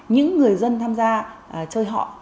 những người dân tham gia chơi họ